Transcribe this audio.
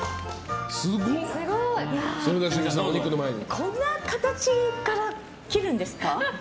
こんな形から切るんですか。